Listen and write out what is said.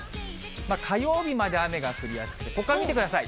火曜日まで雨が降りやすくて、ほか見てください。